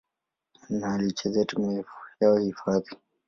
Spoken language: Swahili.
na alichezea timu yao hifadhi.